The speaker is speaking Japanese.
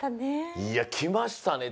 いやきましたね